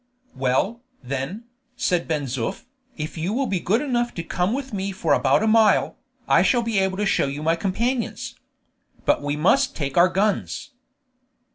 "Well, then," said Ben Zoof, "if you will be good enough to come with me for about a mile, I shall be able to show you my companions. But we must take our guns."